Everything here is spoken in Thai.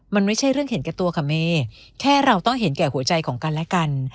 มันไม่ใช่เรื่องเห็นแก่ตัวค่ะเมย์แค่เราต้องเห็นแก่หัวใจของกันและกัน